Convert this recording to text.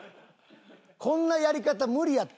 こんなやり方無理やって！